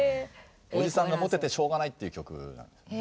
おじさんがモテてしょうがないっていう曲なんですよね。